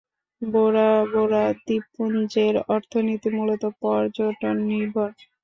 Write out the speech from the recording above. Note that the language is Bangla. বোরা বোরা দ্বীপপুঞ্জের অর্থনীতি মূলত পর্যটন নির্ভর।